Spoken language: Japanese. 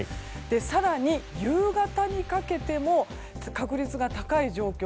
更に、夕方にかけても確率が高い状況